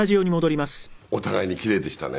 お互いに奇麗でしたね。